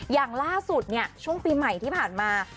อย่างล่าสุดเนี่ยช่วงปีใหม่ที่ผ่านมา